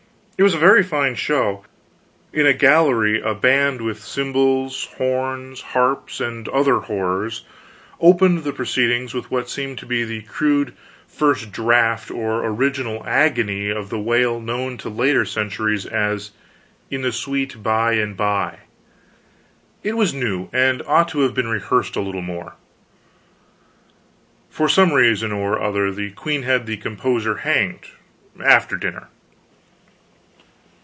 It was a very fine show. In a gallery a band with cymbals, horns, harps, and other horrors, opened the proceedings with what seemed to be the crude first draft or original agony of the wail known to later centuries as "In the Sweet Bye and Bye." It was new, and ought to have been rehearsed a little more. For some reason or other the queen had the composer hanged, after dinner.